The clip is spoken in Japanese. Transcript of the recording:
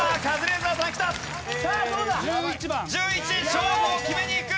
勝負を決めにいく！